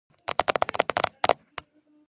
ტბაში მდებარეობს ორი კუნძული.